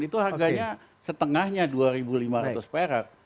itu harganya setengahnya rp dua lima ratus